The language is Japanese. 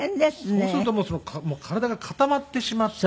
そうするともう体が固まってしまって。